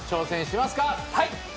はい。